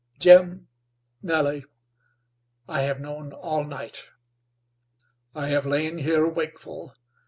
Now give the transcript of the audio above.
"Jim, Nellie, I have known all night. I have lain here wakeful.